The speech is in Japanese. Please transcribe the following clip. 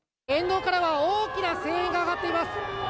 沿道からは大きな声援が上がっています。